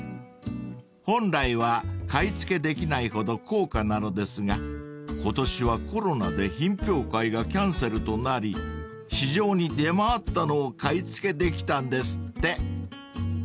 ［本来は買い付けできないほど高価なのですが今年はコロナで品評会がキャンセルとなり市場に出回ったのを買い付けできたんですって］